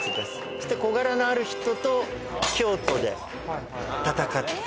そして小柄なある人と京都で戦った。